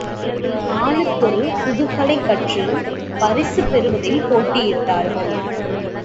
ஆளுக்கொரு புதுக் கலை கற்று, பரிசு பெறுவதில் போட்டியிட்டார்கள்.